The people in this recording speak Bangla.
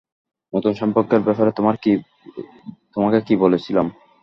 নতুন সম্পর্কের ব্যাপারে তোমাকে কি বলেছিলাম?